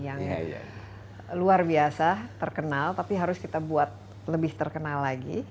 yang luar biasa terkenal tapi harus kita buat lebih terkenal lagi